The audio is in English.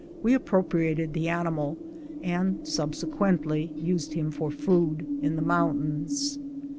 We appropriated the animal, and subsequently used him for food in the mountains.